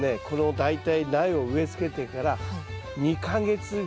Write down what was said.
この大体苗を植えつけてから２か月ぐらい。